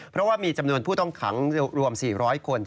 เพราะว่ามีจำนวนผู้ต้องขังรวม๔๐๐คน